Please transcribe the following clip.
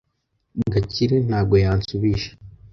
Gakire ntabwo yansubije.